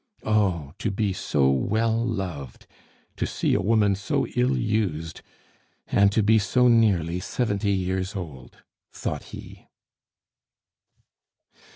"Oh! to be so well loved! To see a woman so ill used, and to be so nearly seventy years old!" thought he.